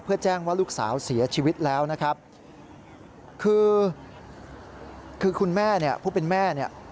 เพื่อแจ้งว่าลูกสาวเสียชีวิตแล้วนะครับคือคือคุณแม่เนี่ยผู้เป็นแม่เนี่ย